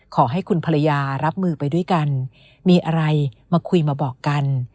ขอให้คุณภรรยารับมือไปด้วยกันมีอะไรมาคุยมาบอกกัน